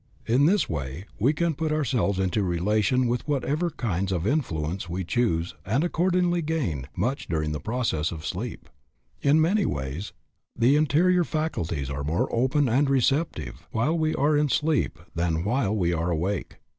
In this way we can put ourselves into relation with what ever kinds of influence we choose and accordingly gain much during the process of sleep. In many ways the interior faculties are more open and receptive while we are in sleep than while we are awake.